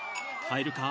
入るか？